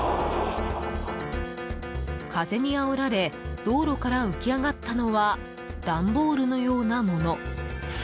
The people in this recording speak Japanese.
風にあおられ道路から浮き上がったのはダンボールのようなもの。